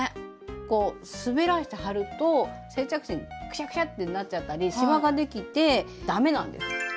こう滑らして貼ると接着芯クシャクシャってなっちゃったりシワができてだめなんです。